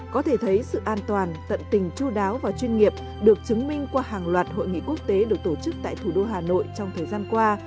có thể thấy sự an toàn tận tình chú đáo và chuyên nghiệp được chứng minh qua hàng loạt hội nghị quốc tế được tổ chức tại thủ đô hà nội trong thời gian qua